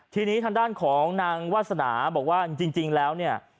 ทีนี้ทางด้านของนางวาสนาบอกว่าจริงแล้วเนี่ย